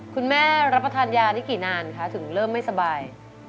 รับประทานยานี่กี่นานคะถึงเริ่มไม่สบาย